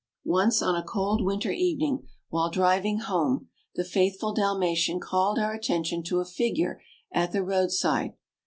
Once on a cold winter evening, while driving home, the faithful Dalmatian called our attention to a figure at the roadside.